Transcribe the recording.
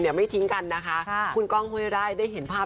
ทรงไม่ทิ้งกันคุณกล้องท่วยระยะได้เห็นภาพ